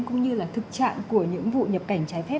cũng như là thực trạng của những vụ nhập cảnh trái phép